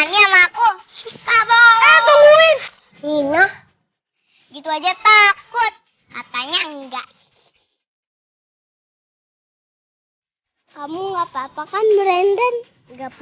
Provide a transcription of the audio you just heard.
ini sama aku kawin kawin minah gitu aja takut katanya enggak kamu apa apa kan brandon enggak